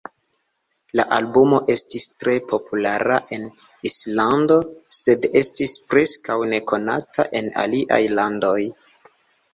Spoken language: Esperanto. La albumo estis tre populara en Islando, sed estis preskaŭ nekonata en aliaj landoj.